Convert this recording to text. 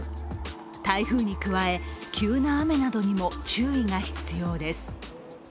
台風に加え、急な雨などにも注意が必要です。